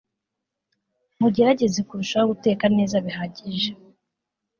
Mugerageze kurushaho guteka neza bihagije